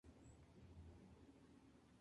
Es originario del sur de China y Birmania.